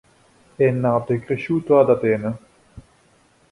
È nato e cresciuto ad Atene.